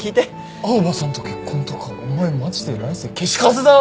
青羽さんと結婚とかお前マジで来世消しカスだわ！